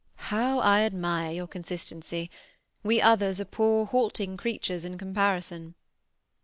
"How I admire your consistency! We others are poor halting creatures in comparison."